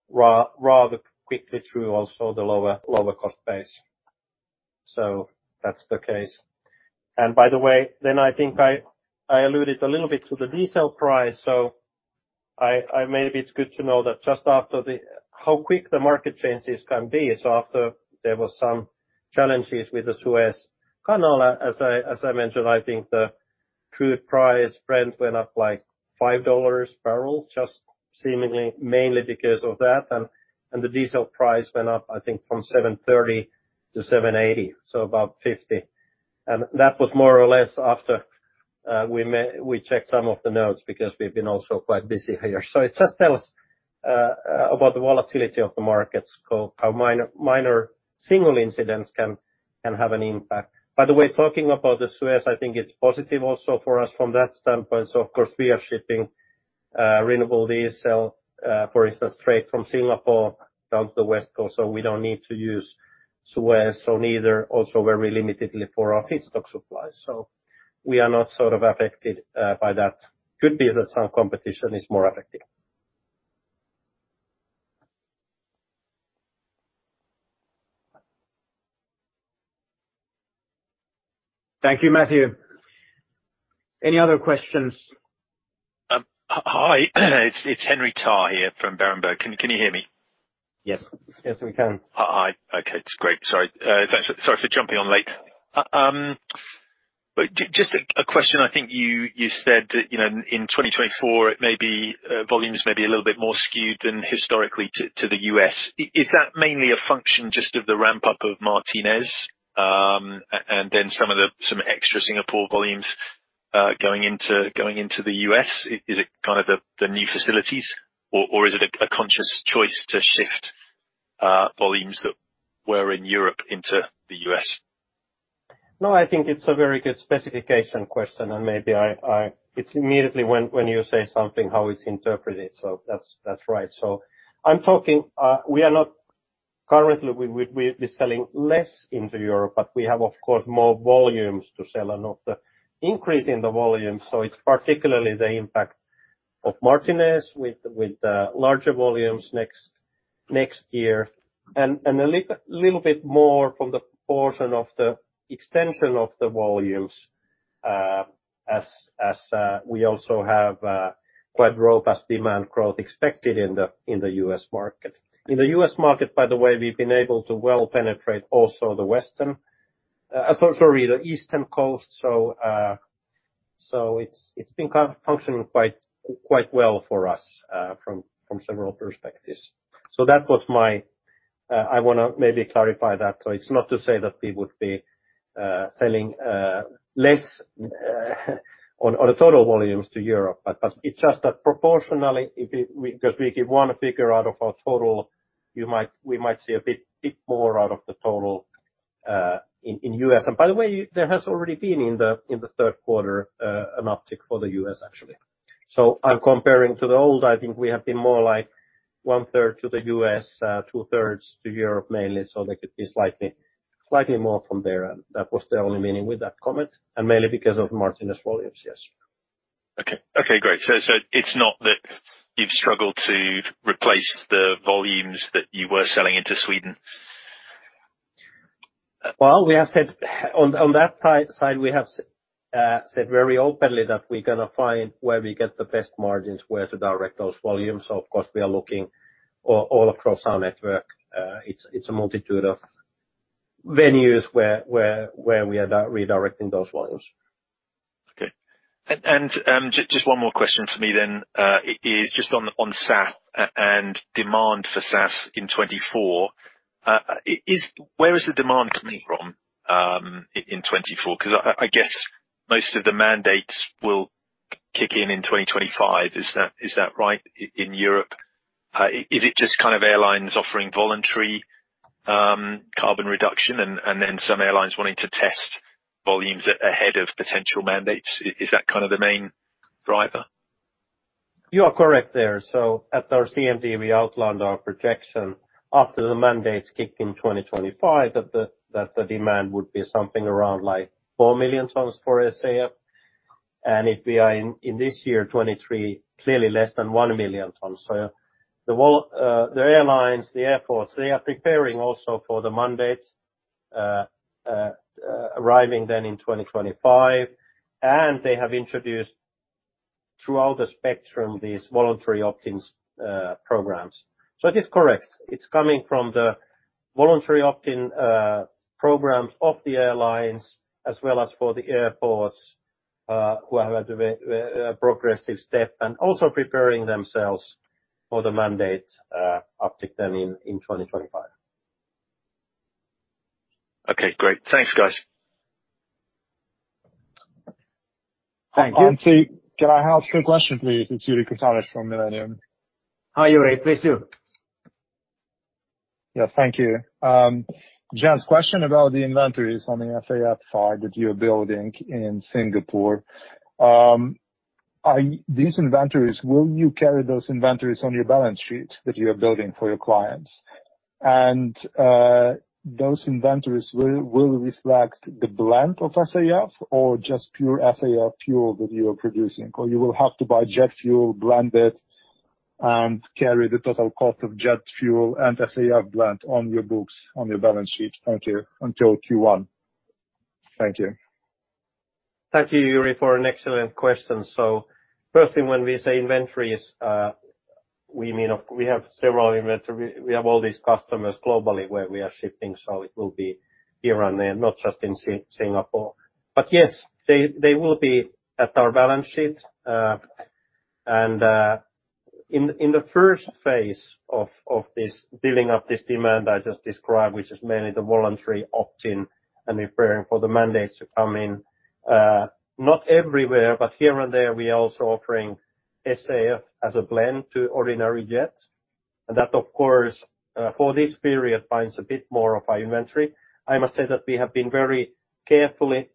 rather quickly through also the lower cost base. So that's the case. And by the way, I alluded a little bit to the diesel price, so maybe it's good to know that just after how quick the market changes can be. So after there was some challenges with the Suez Canal, as I mentioned, the crude price, Brent, went up like $5 barrel, just seemingly, mainly because of that. The diesel price went up, I think, from $7.30 to $7.80, so about $0.50. That was more or less after we checked some of the notes because we've been also quite busy here. So it just tells about the volatility of the markets, so how minor single incidents can have an impact. By the way, talking about the Suez, I think it's positive also for us from that standpoint. So of course, we are shipping Renewable Diesel, for instance, straight from Singapore down to the West Coast, so we don't need to use Suez, so neither also very limitedly for our feedstock supplies. So we are not sort of affected by that. Could be that some competition is more affected. Thank you, Matthew. Any other questions? Hi. It's Henry Tarr here from Berenberg. Can you hear me? Yes. Yes, we can. Hi. Okay, that's great. Sorry, sorry for jumping on late. But just a question, I think you said that, you know, in 2024, it may be volumes may be a little bit more skewed than historically to the U.S. Is that mainly a function just of the ramp-up of Martinez, and then some extra Singapore volumes going into the U.S? Is it kind of the new facilities, or is it a conscious choice to shift volumes that were in Europe into the U.S? No, I think it's a very good specification question, and maybe it's immediately when you say something, how it's interpreted, so that's right. So I'm talking, we are not currently, we're selling less into Europe, but we have, of course, more volumes to sell and of the increase in the volume, so it's particularly the impact of Martinez with larger volumes next year. And a little bit more from the portion of the extension of the volumes, as we also have quite robust demand growth expected in the U.S. market. In the U.S. market, by the way, we've been able to well penetrate also the Western, so sorry, the Eastern Coast, so it's been kind of functioning quite well for us, from several perspectives. So that was my, I wanna maybe clarify that. So it's not to say that we would be selling less on the total volumes to Europe, but it's just that proportionally, if we—because we give one figure out of our total, you might, we might see a bit more out of the total in U.S. And by the way, there has already been in the third quarter an uptick for the U.S., actually. So I'm comparing to the old, I think we have been more like 1/3 to the U.S., 2/3 to Europe, mainly, so they could be slightly more from there. And that was the only meaning with that comment, and mainly because of margin as volumes. Yes. Okay. Okay, great. So, so it's not that you've struggled to replace the volumes that you were selling into Sweden? Well, we have said on that side, we have said very openly that we're gonna find where we get the best margins, where to direct those volumes. So of course, we are looking all across our network. It's a multitude of venues where we are redirecting those volumes. Okay. And, and, just, just one more question for me then, is just on, on SAF and demand for SAF in 2024. Where is the demand coming from in 2024? 'Cause I guess most of the mandates will kick in in 2025. Is that right in Europe? Is it just kind of airlines offering voluntary carbon reduction, and then some airlines wanting to test volumes ahead of potential mandates? Is that kind of the main driver? You are correct there. So at our CMD, we outlined our projection after the mandates kick in 2025, that the demand would be something around like 4 million tons for SAF. And if we are in this year, 2023, clearly less than 1 million tons. So the airlines, the airports, they are preparing also for the mandate arriving then in 2025, and they have introduced throughout the spectrum, these voluntary opt-ins programs. So it is correct, it's coming from the voluntary opt-in programs of the airlines, as well as for the airports who have a progressive step and also preparing themselves for the mandate uptick then in 2025. Okay, great. Thanks, guys. Thank you. Matti, can I ask a question, please? It's Yuri Kucherov from Millennium. Hi, Yuri. Please do. Yeah. Thank you. Just question about the inventories on the SAF side that you're building in Singapore. Are these inventories, will you carry those inventories on your balance sheet that you are building for your clients? Those inventories, will, will reflect the blend of SAF or just pure SAF fuel that you are producing? Or you will have to buy jet fuel, blend it, and carry the total cost of jet fuel and SAF blend on your books, on your balance sheet until, until Q1. Thank you. Thank you, Yuri, for an excellent question. So firstly, when we say inventories, we mean we have several inventory. We have all these customers globally where we are shipping, so it will be here and there, not just in Singapore. But yes, they, they will be at our balance sheet. And, in the first phase of this building up this demand I just described, which is mainly the voluntary opt-in and preparing for the mandates to come in, not everywhere, but here and there, we are also offering SAF as a blend to ordinary jets. And that, of course, for this period, binds a bit more of our inventory. I must say that we have been very carefully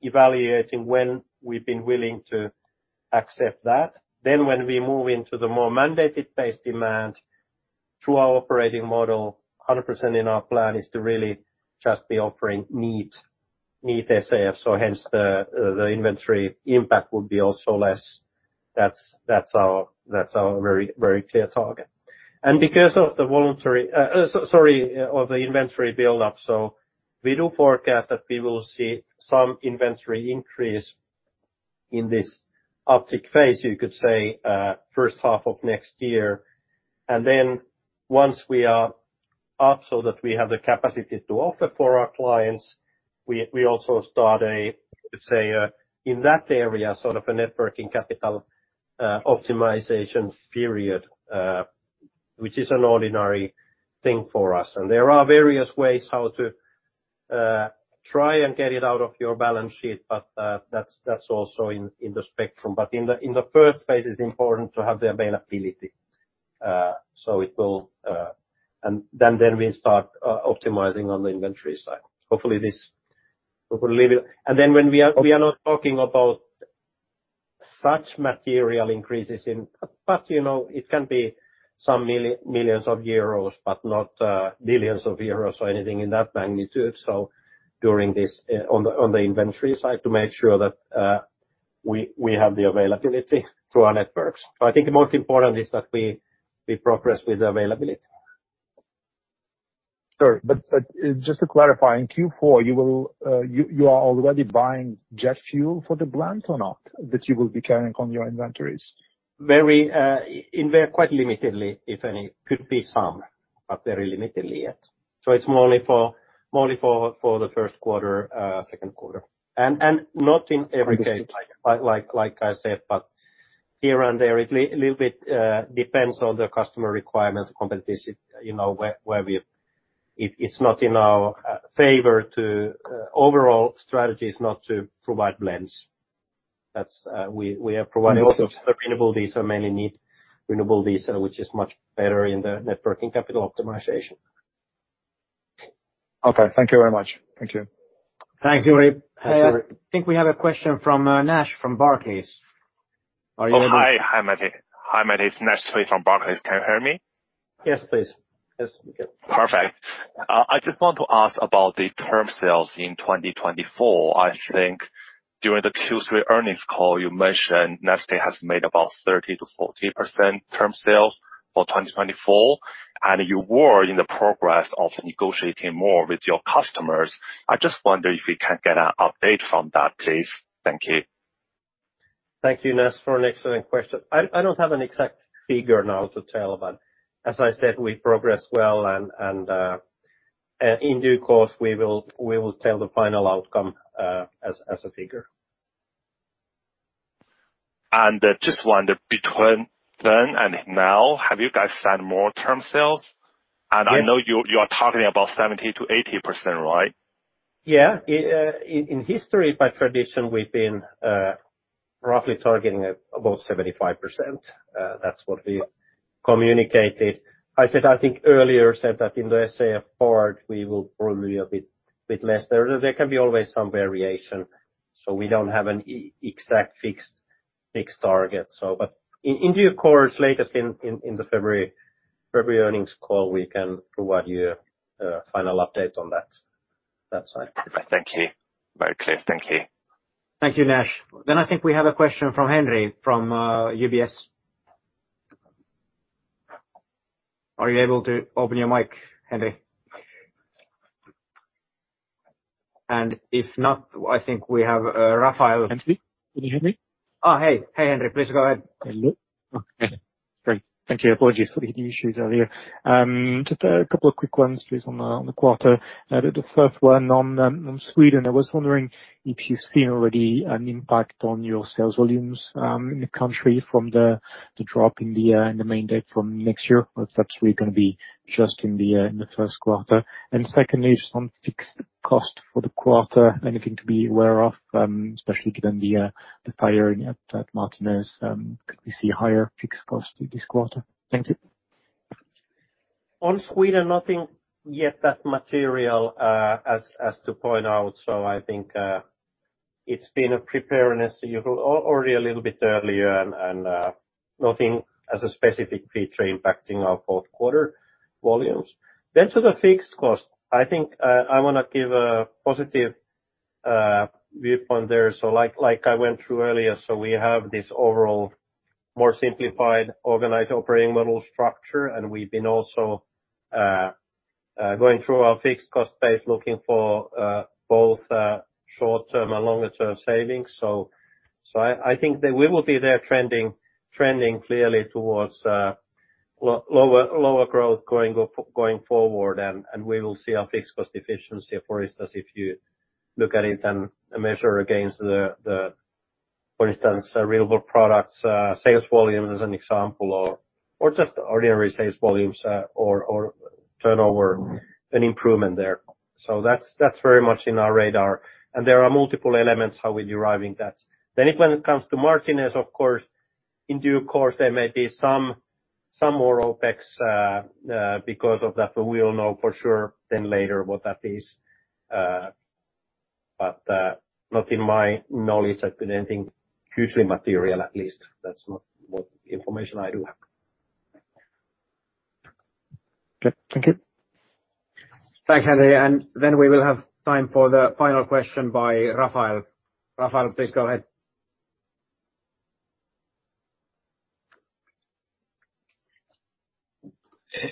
evaluating when we've been willing to accept that. Then when we move into the more mandated base demand through our operating model, 100% in our plan is to really just be offering neat, neat SAF. So hence, the inventory impact would be also less. That's, that's our, that's our very, very clear target. And because of the voluntary... sorry, of the inventory buildup, so we do forecast that we will see some inventory increase in this uptick phase, you could say, first half of next year. And then once we are up, so that we have the capacity to offer for our clients, we, we also start a, let's say, in that area, sort of a working capital optimization period, which is an ordinary thing for us. There are various ways how to try and get it out of your balance sheet, but that's also in the spectrum. But in the first phase, it's important to have the availability, so it will. And then we start optimizing on the inventory side. Hopefully, this will leave it. And then when we are we are not talking about such material increases in. But, you know, it can be some millions of EUR, but not billions of EUR or anything in that magnitude. So during this, on the inventory side, to make sure that we have the availability through our networks. So I think the most important is that we progress with the availability. Sure. But just to clarify, in Q4, you are already buying jet fuel for the blend or not, that you will be carrying on your inventories? Very limitedly, if any. Could be some, but very limitedly, yes. So it's more only for the first quarter, second quarter. And not in every case- Understood... like I said, but here and there, it little bit depends on the customer requirements, competition, you know, where, where we've it, it's not in our favor to... Overall strategy is not to provide blends. That's, we are providing also Renewable Diesel, mainly Neste Renewable Diesel, which is much better in the net working capital optimization. Okay, thank you very much. Thank you. Thanks Yuri. I think we have a question from Nash from Barclays. Are you- Oh, hi. Hi, Matti. Hi, Matti, it's Nash Lee from Barclays. Can you hear me? Yes, please. Yes, we can. Perfect. I just want to ask about the term sales in 2024. I think during the Q3 earnings call, you mentioned Neste has made about 30%-40% term sales for 2024, and you were in the process of negotiating more with your customers. I just wonder if we can get an update from that, please. Thank you. Thank you, Nash, for an excellent question. I don't have an exact figure now to tell, but as I said, we progress well, and in due course, we will tell the final outcome, as a figure. Just wonder, between then and now, have you guys signed more term sales? Yes. I know you, you are talking about 70%-80%, right? Yeah. In history, by tradition, we've been roughly targeting at about 75%. That's what we communicated. I said, I think earlier, said that in the SAF part, we will probably a bit less. There can be always some variation, so we don't have an exact fixed target. So but in due course, latest in the February earnings call, we can provide you a final update on that side. Thank you. Very clear. Thank you. Thank you, Nash. Then I think we have a question from Henri, from UBS. Are you able to open your mic, Henry? And if not, I think we have Rafael- Henry, can you hear me? Oh, hey. Hey, Henri, please go ahead. Hello? Okay, great. Thank you. Apologies for the issues earlier. Just a couple of quick ones, please, on the quarter. The first one on Sweden. I was wondering if you've seen already an impact on your sales volumes in the country from the drop in the mandate from next year, or perhaps we're gonna be just in the first quarter. And secondly, just on fixed cost for the quarter, anything to be aware of, especially given the fire at Martinez, could we see higher fixed cost in this quarter? Thank you. On Sweden, nothing yet that material, as to point out. So I think, it's been a preparedness you've already a little bit earlier, and nothing as a specific feature impacting our fourth quarter volumes. Then to the fixed cost, I think, I wanna give a positive viewpoint there. So like, like I went through earlier, so we have this overall more simplified, organized operating model structure, and we've been also going through our fixed cost base, looking for both short-term and longer term savings. So I think that we will be there trending clearly towards lower growth going forward, and we will see our fixed cost efficiency. For instance, if you look at it and measure against the for instance renewable products sales volumes as an example, or just ordinary sales volumes, or turnover, an improvement there. So that's very much in our radar, and there are multiple elements how we're deriving that. Then when it comes to Martinez, of course, in due course, there may be some more OpEx because of that, but we'll know for sure then later what that is. But not in my knowledge have been anything hugely material, at least. That's not what information I do have. Good. Thank you. Thanks, Henry, and then we will have time for the final question by Rafael. Rafael, please go ahead.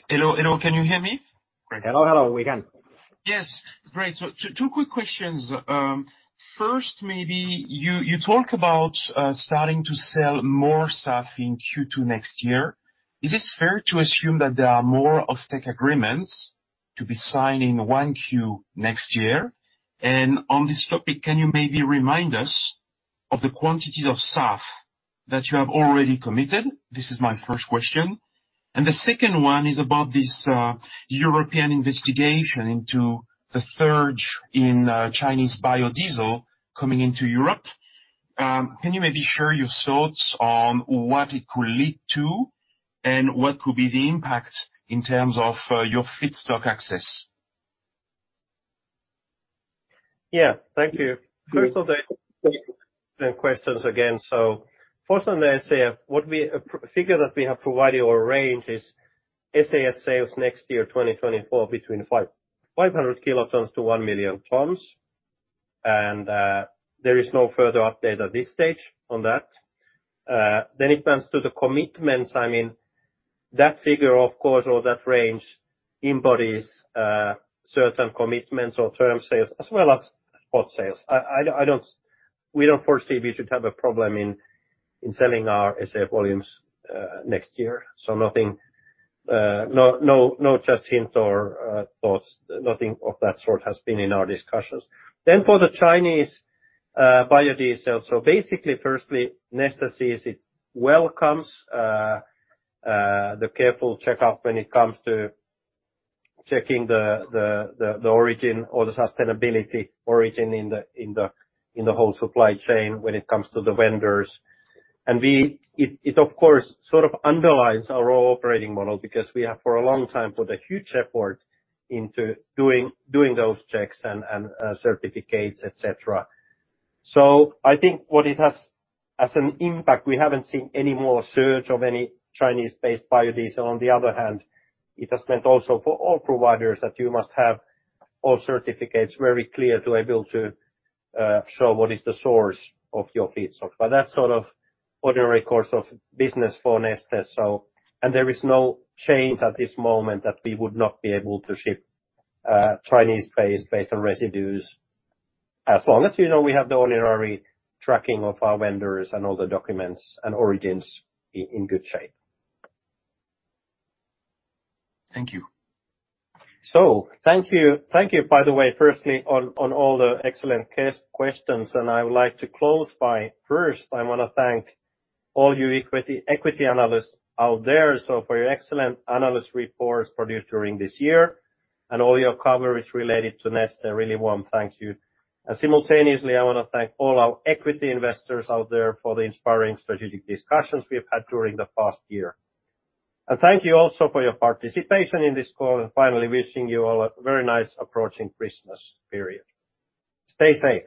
Hello, hello. Can you hear me? Great. Hello, hello, we can. Yes, great. So two quick questions. First, maybe you talk about starting to sell more stuff in Q2 next year. Is it fair to assume that there are more offtake agreements to be signed in 1Q next year? And on this topic, can you maybe remind us of the quantity of SAF that you have already committed? This is my first question. And the second one is about this European investigation into the surge in Chinese biodiesel coming into Europe. Can you maybe share your thoughts on what it could lead to, and what could be the impact in terms of your feedstock access? Yeah, thank you. Great. First off, the questions again. So first on the SAF, the figure that we have provided, our range is SAF sales next year, 2024, between 500 kilotons to 1 million tons, and there is no further update at this stage on that. Then it comes to the commitments, I mean, that figure, of course, or that range, embodies certain commitments or term sales as well as spot sales. We don't foresee we should have a problem in selling our SAF volumes next year. So nothing. No, no, no just hint or thoughts, nothing of that sort has been in our discussions. Then for the Chinese, biodiesel, so basically, firstly, Neste sees it, welcomes, the careful checkup when it comes to checking the origin or the sustainability origin in the whole supply chain when it comes to the vendors. It, of course, sort of underlines our operating model, because we have, for a long time, put a huge effort into doing those checks and certificates, et cetera. So I think what it has as an impact, we haven't seen any more surge of any Chinese-based biodiesel. On the other hand, it has meant also for all providers, that you must have all certificates very clear to be able to show what is the source of your feedstock. But that's sort of ordinary course of business for Neste, so... There is no change at this moment that we would not be able to ship Chinese-based based on residues, as long as, you know, we have the ordinary tracking of our vendors and all the documents and origins in good shape. Thank you. So thank you, thank you, by the way, firstly, on all the excellent questions, and I would like to close by, first, I wanna thank all you equity, equity analysts out there, so for your excellent analyst reports produced during this year, and all your coverage related to Neste, a really warm thank you. And simultaneously, I wanna thank all our equity investors out there for the inspiring strategic discussions we've had during the past year. And thank you also for your participation in this call, and finally, wishing you all a very nice approaching Christmas period. Stay safe.